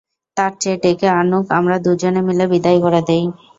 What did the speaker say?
তার চেয়ে ডেকে আনুক, আমরা দুজনে মিলে বিদায় করে দিই।